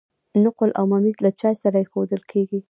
نقل او ممیز له چای سره ایښودل کیږي.